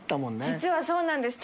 実はそうなんです。